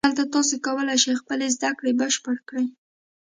دلته تاسو کولای شئ چې خپلې زده کړې بشپړې کړئ